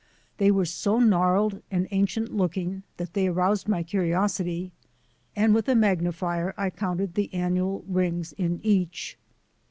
They were so gnarled and ancient looking that they aroused my curiosity, and with a magnifier I counted the annual rings in each.